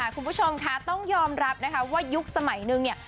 คุณผู้ชมคะต้องยอมรับนะคะว่ายุคสมัยนึงเนี่ย